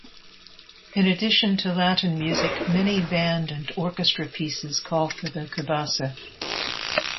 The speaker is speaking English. In addition to Latin music, many band and orchestra pieces call for the cabasa.